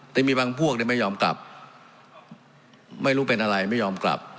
แต่มีบางพวกไม่ยอมกลับไม่รู้เป็นอะไรไม่ยอมกลับ